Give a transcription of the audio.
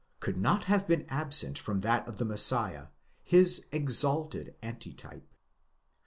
could not have been absent from that of the Messiah, his exalted antitype.